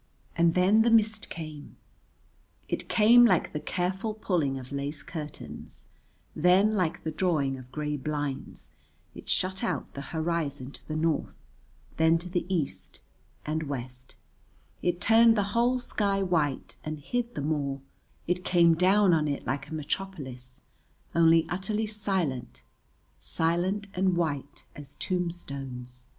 And then the mist came. It came like the careful pulling of lace curtains, then like the drawing of grey blinds; it shut out the horizon to the north, then to the east and west; it turned the whole sky white and hid the moor; it came down on it like a metropolis, only utterly silent, silent and white as tombstones.